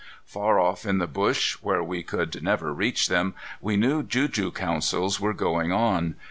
Far off in the bush, where we could never reach them, we knew juju councils were going on.